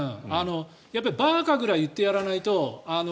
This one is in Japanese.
バーカぐらい言ってやらないと。